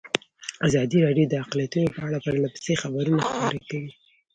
ازادي راډیو د اقلیتونه په اړه پرله پسې خبرونه خپاره کړي.